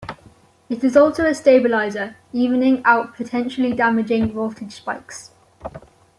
It is also a stabilizer, evening out potentially damaging voltage spikes.